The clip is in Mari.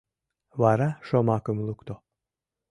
Вара шомакым лукто: